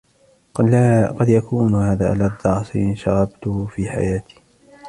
قد يكون هذا ألذ عصير شربته في حياتي.